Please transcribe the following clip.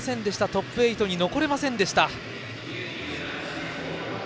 トップ８に残れませんでした。